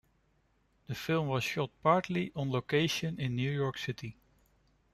The film was shot partly on location in New York City.